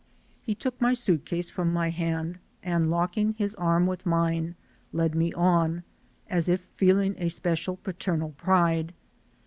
He took my suitcase from my hand and locking his arm within mine, led me on, as if feeling a special paternal pride.